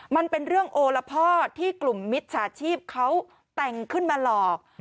มันเป็นเรื่องโอละพ่อที่กลุ่มมิจฉาชีพเขาแต่งขึ้นมาหลอก